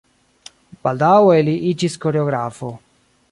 Baldaŭe li iĝis koreografo.